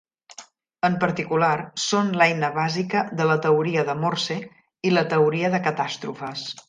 En particular, són l'eina bàsica de la teoria de Morse i la teoria de catàstrofes.